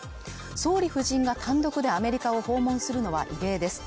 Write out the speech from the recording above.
総理夫人が単独でアメリカを訪問するのは異例です。